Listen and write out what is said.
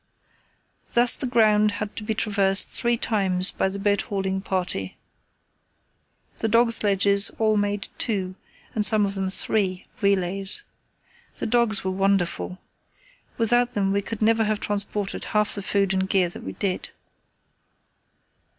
Thus the ground had to be traversed three times by the boat hauling party. The dog sledges all made two, and some of them three, relays. The dogs were wonderful. Without them we could never have transported half the food and gear that we did.